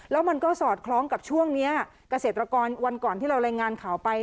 แล้วมันก็สอดคล้องกับช่วงนี้เกษตรกรวันก่อนที่เรารายงานข่าวไป